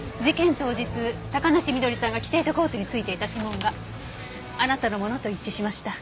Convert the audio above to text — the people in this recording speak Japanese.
当日高梨翠さんが着ていたコートに付いていた指紋があなたのものと一致しました。